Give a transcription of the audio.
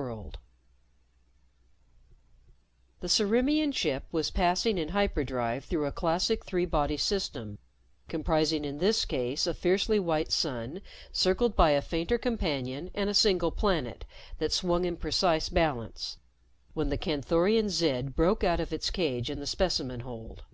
_ Illustrated by MARTIN The Ciriimian ship was passing in hyperdrive through a classic three body system, comprising in this case a fiercely white sun circled by a fainter companion and a single planet that swung in precise balance, when the Canthorian Zid broke out of its cage in the specimen hold.